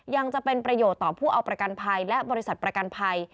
จะเป็นประโยชน์ต่อผู้เอาประกันภัยและบริษัทประกันภัย